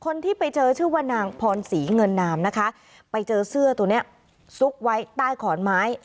คนที่ไปเจอชื่อว่านางพรศรีเงินนามนะคะไปเจอเสื้อตัวเนี้ยซุกไว้ใต้ขอนไม้